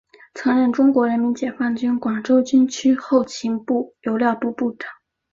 曾任中国人民解放军广州军区后勤部油料部部长。